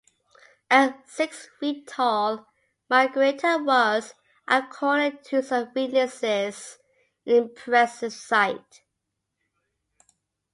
At six feet tall, Margherita was, according to some witnesses, an impressive sight.